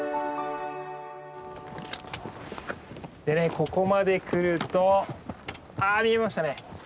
ここまで来るとあ見えましたね！